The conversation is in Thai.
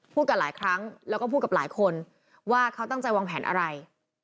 กันหลายครั้งแล้วก็พูดกับหลายคนว่าเขาตั้งใจวางแผนอะไร